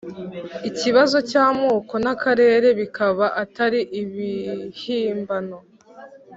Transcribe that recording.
ikibazo cy' amoko n' akarere bikaba atari ibihimbano.